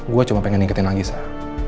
gue cuma pengen ningketin lagi sah